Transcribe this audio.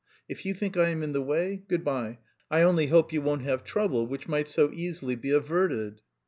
If you think I am in the way, good bye, I only hope you won't have trouble which might so easily be averted."